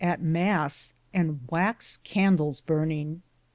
23 at mass and wex candls burninge.